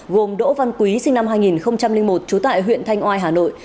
gồm đỗ văn quý sinh năm hai nghìn một trú tại huyện thanh oai hà nội